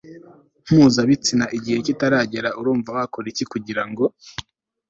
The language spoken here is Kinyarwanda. mpuzabitsina igihe kitaragera Urumva wakora iki kugira ngo